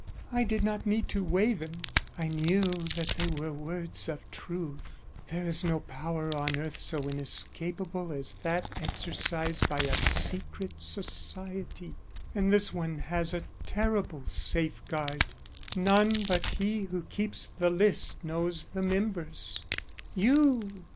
I did not need to weigh them; I knew that they were words of truth. There is no power on earth so inescapable as that exercised by a secret society, and this one has a terrible safeguard. None but he who keeps the list knows the members.